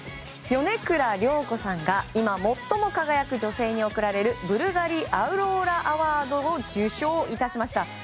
米倉涼子さんが今最も輝く女性に贈られる「ブルガリアウローラアワード」を受賞致しました。